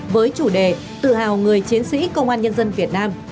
với chủ đề tự hào người chiến sĩ công an nhân dân việt nam